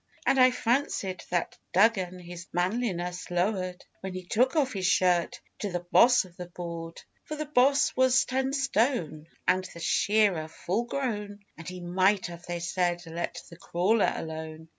And I fancied that Duggan his manliness lower'd When he took off his shirt to the Boss of the board, For the Boss was ten stone, And the shearer full grown, And he might have, they said, let the crawler alone.